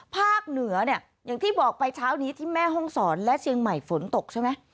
ภาคเหนือเนี่ยอย่างที่บอกไปเช้านี้ที่แม่ห้องศรและเชียงใหม่ฝนตกใช่ไหม